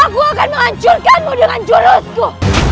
aku akan menghancurkanmu dengan jolotku